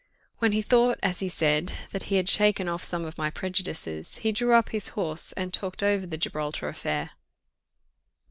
When he thought, as he said, that he had shaken off some of my prejudices, he drew up his horse, and talked over the Gibraltar affair.